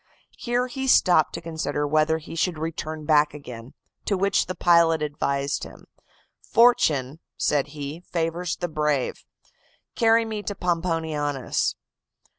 "Here he stopped to consider whether he should return back again; to which the pilot advised him. 'Fortune,' said he, 'favors the brave; carry me to Pomponianus.